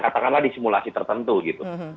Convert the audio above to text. katakanlah di simulasi tertentu gitu